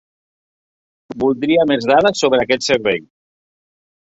Voldria més dades sobre aquest servei.